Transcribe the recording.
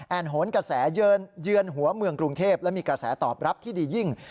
โหนกระแสเยือนหัวเมืองกรุงเทพและมีกระแสตอบรับที่ดียิ่ง